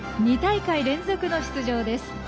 ２大会連続の出場です。